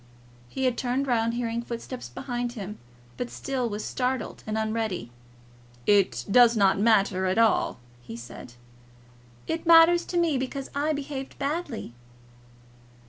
He had turned round hearing footsteps behind him, but still was startled and unready. "It does not matter at all," he said. "It matters to me, because I behaved badly."